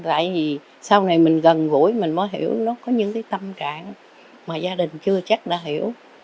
tại vì sau này mình gần gũi mình mới hiểu nó có những cái tâm trạng mà gia đình chưa chắc đã hiểu